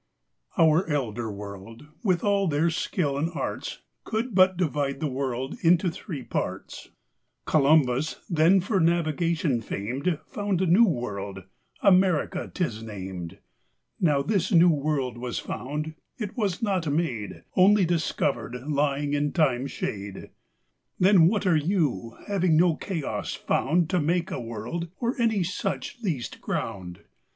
Our Elder World, with all their Skill and Arts, Could but divide the World into three Parts: Columbus, then for Navigation fam'd, Found a new World, America 'tis nam'd; Now this new World was found, it was not made, Onely discovered, lying in Time's shade. Then what are You, having no Chaos found To make a World, or any such least ground?